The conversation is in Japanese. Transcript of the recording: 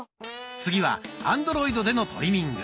次はアンドロイドでのトリミング。